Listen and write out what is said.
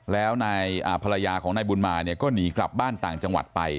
แล้วนายภรรยาของนายบุญมาเนี่ยก็หนีกลับบ้านต่างจังหวัดไป